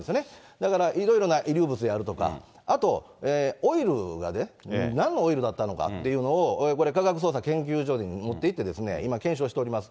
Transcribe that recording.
だから、いろいろな遺留物であるとか、あと、オイルがね、なんのオイルだったのかというのをこれ、科学捜査研究所に持っていって、今、検証しております。